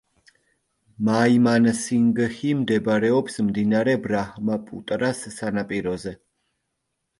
მაიმანსინგჰი მდებარეობს მდინარე ბრაჰმაპუტრას სანაპიროზე.